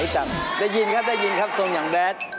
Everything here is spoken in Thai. ได้ยินครับทรงอย่างแบด